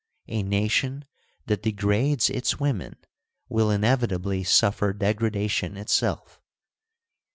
A nation that degrades its women will inevitably suffer degradation itself.